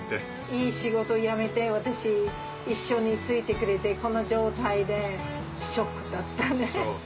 いい仕事辞めて私一緒についてくれてこの状態でショックだったね。